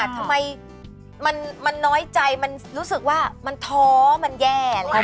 ทำไมมันน้อยใจมันรู้สึกว่ามันท้อมันแย่เลย